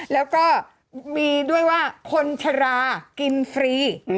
แล้วก็มีด้วยว่าคนชรากินฟรี